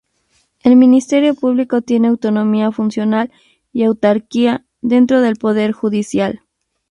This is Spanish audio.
El Ministerio Público tiene autonomía funcional y autarquía dentro del Poder Judicial.